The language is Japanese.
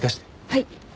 はい。